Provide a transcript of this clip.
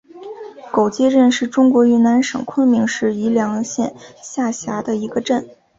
狗街镇是中国云南省昆明市宜良县下辖的一个镇。